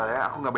ya aku juga